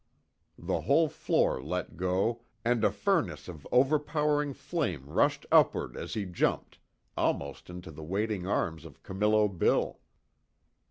The whole floor let go and a furnace of overpowering flame rushed upward as he jumped almost into the waiting arms of Camillo Bill.